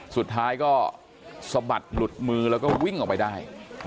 สุดท้ายก็สะบัดหลุดมือแล้วก็วิ่งออกไปได้